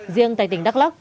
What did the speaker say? riêng tại tỉnh đắk lắk